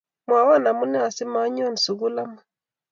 mwowo amune si mainyo sukul amut?